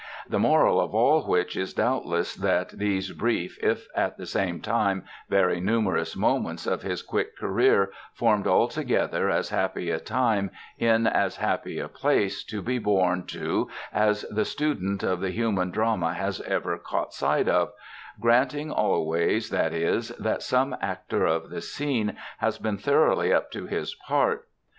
The moral of all which is doubtless that these brief, if at the same time very numerous, moments of his quick career formed altogether as happy a time, in as happy a place, to be born to as the student of the human drama has ever caught sight of granting always, that is, that some actor of the scene has been thoroughly up to his part.